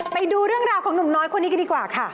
ไปดูเรื่องราวของหนุ่มน้อยคนนี้กันดีกว่าค่ะ